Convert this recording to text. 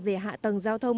về hạ tầng giao thông